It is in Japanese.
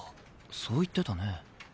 そう言ってたね。